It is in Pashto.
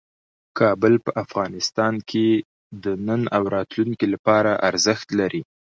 کابل په افغانستان کې د نن او راتلونکي لپاره ارزښت لري.